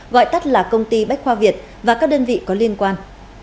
gọi tắt là công ty bách khoa việt và các đơn vị có liên quan